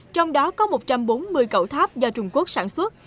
trong đó có một trăm bốn mươi cậu tháp do trung quốc sản xuất